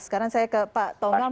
sekarang saya ke pak tomm